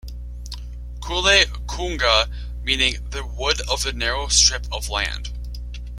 "Coille Cunga" meaning "The Wood of the Narrow Strip of Land".